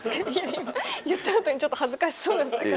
言ったあとにちょっと恥ずかしそうだったから。